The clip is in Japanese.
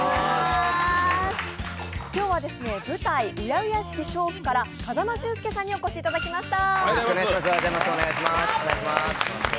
今日は舞台「恭しき娼婦」から風間俊介さんにお越しいただきました。